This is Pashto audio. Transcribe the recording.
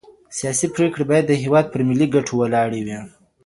سياسي پرېکړي بايد د هيواد پر ملي ګټو ولاړي وي.